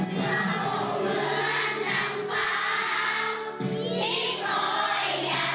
ทุกเวลาคงทรงอยู่ในหัวใจ